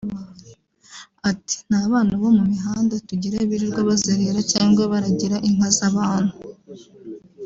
Ati “Nta bana bo mu mihanda tugira birirwa bazerera cyangwa baragira inka z’abantu